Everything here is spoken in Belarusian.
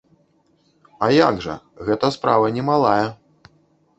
А як жа, гэта справа не малая.